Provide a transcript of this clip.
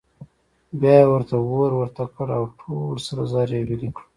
بیا یې ورته اور ورته کړ او ټول سره زر یې ویلې کړل.